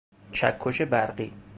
چکش برقی